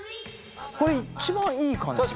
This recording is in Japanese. これ一番いい感じ。